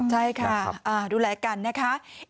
ใช่ค่ะดูแลกันนะคะ